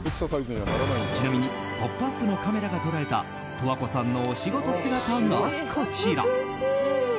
ちなみに「ポップＵＰ！」のカメラが捉えた十和子さんのお仕事姿がこちら。